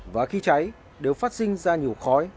và khi cháy đều phát sinh ra nhiều khói